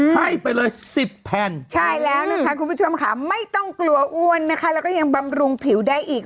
ให้ไปเลย๑๐แผ่นใช่แล้วนะคะคุณผู้ชมค่ะไม่ต้องกลัวอ้วนนะคะแล้วก็ยังบำรุงผิวได้อีก